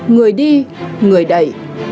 người đi người đẩy